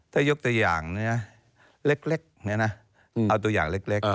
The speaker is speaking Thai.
ถ้ายกตัวอย่างเล็กเอาตัวอย่างเล็ก